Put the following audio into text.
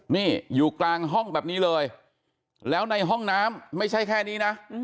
นี่อยู่กลางห้องแบบนี้เลยแล้วในห้องน้ำไม่ใช่แค่นี้นะ